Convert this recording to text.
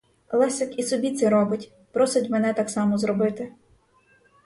Лесик і собі це робить, просить мене так само зробити.